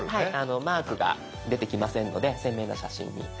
マークが出てきませんので鮮明な写真になっています。